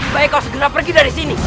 baik kau segera pergi dari sini